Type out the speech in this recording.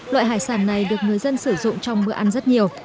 loại hải sản này được người dân sử dụng trong bữa ăn rất nhiều